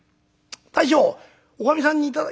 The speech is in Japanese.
大将おかみさんにいただ」。